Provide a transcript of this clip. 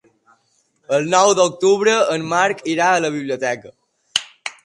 El nou d'octubre en Marc irà a la biblioteca.